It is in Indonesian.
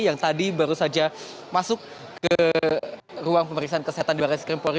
yang tadi baru saja masuk ke ruang pemeriksaan kesehatan baris krimpori